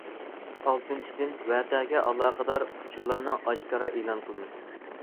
ئالتىنچىدىن، ۋەقەگە ئالاقىدار ئۇچۇرلارنى ئاشكارا ئېلان قىلىمىز.